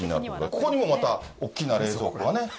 ここにもまた、大きな冷蔵庫がね。